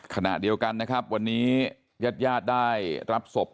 ขณะเดียวกันนะครับวันนี้ญาติญาติได้รับศพ